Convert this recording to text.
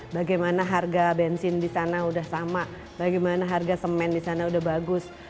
bagaimana harga bensin di sana sudah sama bagaimana harga semen di sana udah bagus